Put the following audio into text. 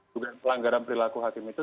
dugaan pelanggaran perilaku hakim itu